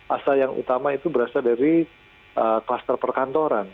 asal yang utama itu berasal dari kluster perkantoran